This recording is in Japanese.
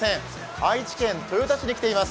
愛知県豊田市に来ています。